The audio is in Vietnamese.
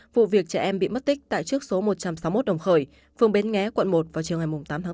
vụ việc trẻ em bị mất tích tại trước số một trăm sáu mươi một đồng khởi phường bến nghé quận một vào chiều ngày tám tháng tám